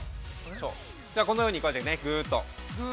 ◆このように、ぐーっと。